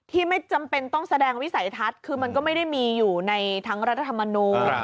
ไม่จำเป็นต้องแสดงวิสัยทัศน์คือมันก็ไม่ได้มีอยู่ในทั้งรัฐธรรมนูล